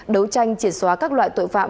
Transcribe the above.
đấu tranh triển xóa các loại tội phạm